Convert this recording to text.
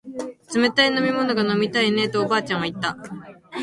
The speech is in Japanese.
冷たい飲み物が飲みたいねえとおばあちゃんは言った